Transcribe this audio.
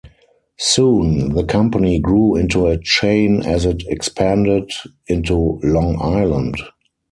Soon, the company grew into a chain as it expanded into Long Island.